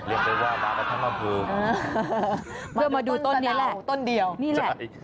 เรียกได้ว่ามากับท่านมาพืมเพื่อมาดูต้นนี้แหละ